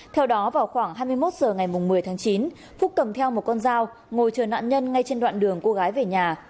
theo đó vào khoảng hai mươi một h ngày một mươi tháng chín phúc cầm theo một con dao ngồi chờ nạn nhân ngay trên đoạn đường cô gái về nhà